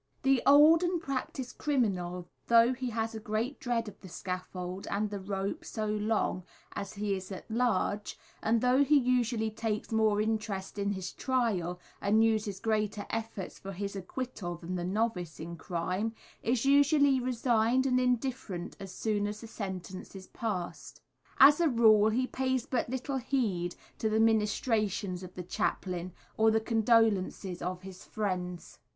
The old and practised criminal, though he has a great dread of the scaffold and the rope so long as he is at large, and though he usually takes more interest in his trial and uses greater efforts for his acquittal than the novice in crime, is usually resigned and indifferent as soon as the sentence is passed. As a rule, he pays but little heed to the ministrations of the chaplain, or the condolences of his friends.